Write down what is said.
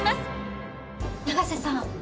永瀬さん。